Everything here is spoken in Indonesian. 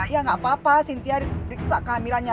ya gak apa apa sintia diperiksa kehamilannya